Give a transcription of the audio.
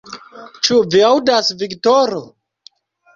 Ĉu vi aŭdas, Viktoro?